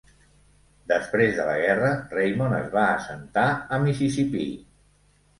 Després de la guerra, Raymond es va assentar a Mississippi.